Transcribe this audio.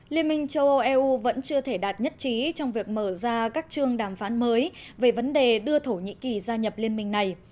liên minh châu âu eu vẫn chưa thể đạt nhất trí trong việc mở ra các trường đàm phán mới về vấn đề đưa thổ nhĩ kỳ gia nhập liên minh này